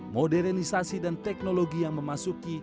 modernisasi dan teknologi yang memasuki